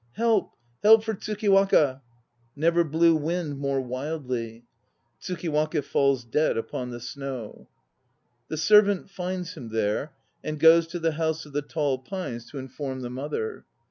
Help, help for Tsukiwaka!" Never blew wind more wildly ! (TSUKIWAKA falls dead upon the snow.) The servant finds him there and goes to the House of the Tall Pines to inform the mother.